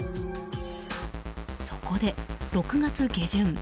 そこで、６月下旬